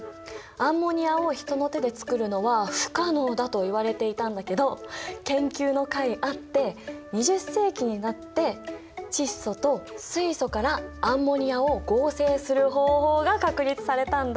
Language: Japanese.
アンモニアを人の手でつくるのは不可能だと言われていたんだけど研究のかいあって２０世紀になって窒素と水素からアンモニアを合成する方法が確立されたんだ！